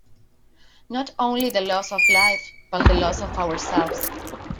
Not only the loss of life, but the loss of ourselves.